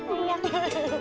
iya boleh ikutan main mbak